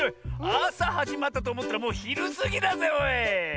あさはじまったとおもったらもうひるすぎだぜおい！